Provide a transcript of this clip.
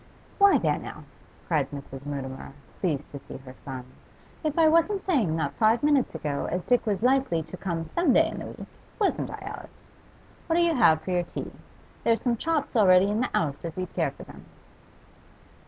'Why, there now!' cried Mrs. Mutimer, pleased to see her son. 'If I wasn't saying not five minutes ago as Dick was likely to come some day in the week! Wasn't I, Alice? What'll you have for your tea? There's some chops all ready in the 'ouse, if you'd care for them.